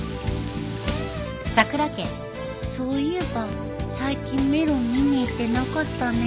そういえば最近メロン見に行ってなかったね